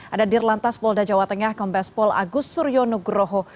ada di lantas polda jawa tengah kompas pol agus suryo nugroho